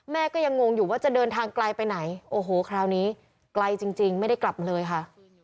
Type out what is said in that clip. แม่ก็ยังงงอยู่ว่าจะเดินทางไกลไปไหนโอ้โหคราวนี้ไกลจริงไม่ได้กลับมาเลยค่ะ